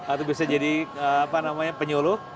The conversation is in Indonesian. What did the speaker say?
atau bisa jadi penyuluh